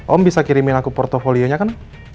om bisa kirimin aku portfolio nya kan